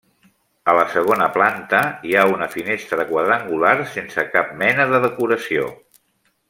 A la segona planta hi ha una finestra quadrangular sense cap mena de decoració.